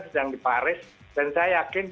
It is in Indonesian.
sedang di paris dan saya yakin